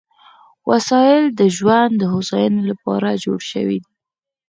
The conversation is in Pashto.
وسایل د ژوند د هوساینې لپاره جوړ شوي دي.